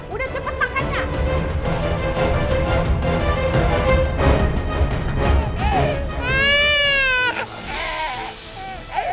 udah cepet makanya